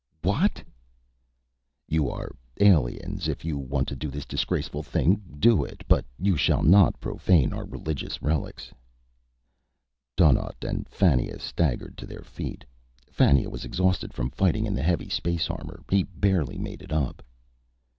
"What?" "You are aliens. If you want to do this disgraceful thing, do it. But you shall not profane our religious relics." Donnaught and Fannia staggered to their feet. Fannia was exhausted from fighting in the heavy space armor; he barely made it up.